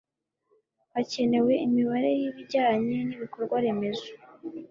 Hacyenewe imibare yibijyanye n’ibikorwa remezo